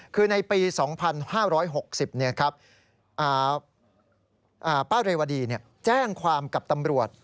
คือในปี๒๕๖๐ป้าเรวดีแจ้งความกับตำรวจ